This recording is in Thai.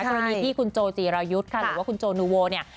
กรณีที่คุณโจจีรายุทธ์ค่ะหรือว่าคุณโจนูโวเนี่ย